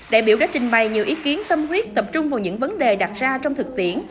đại biểu đã trình bày nhiều ý kiến tâm huyết tập trung vào những vấn đề đặt ra trong thực tiễn